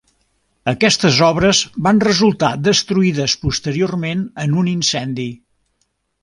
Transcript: Aquestes obres van resultar destruïdes posteriorment en un incendi.